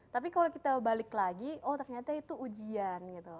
tapi kalau kita balik lagi oh ternyata itu ujian gitu